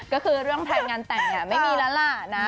ก็คือเรื่องแพลนงานแต่งไม่มีแล้วล่ะนะ